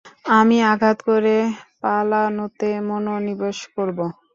আমি আঘাত করে পালানোতে মনোনিবেশ করব।